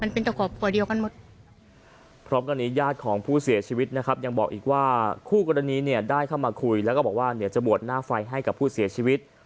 พร้อมกันอีกยาดของผู้เสียชีวิตนะครับยังบอกอีกว่าคู่กรณีเนี่ยได้เข้ามาคุยแล้วก็บอกว่าเนี่ยจะบวชหน้าไฟให้กับผู้เสียชีวิต